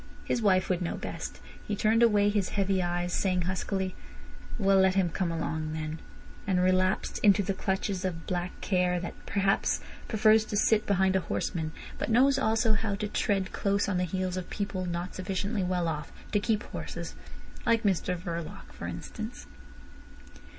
His wife would know best. He turned away his heavy eyes, saying huskily: "Well, let him come along, then," and relapsed into the clutches of black care, that perhaps prefers to sit behind a horseman, but knows also how to tread close on the heels of people not sufficiently well off to keep horses—like Mr Verloc, for instance.